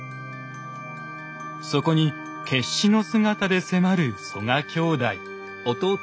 そこに決死の姿で迫る曽我兄弟。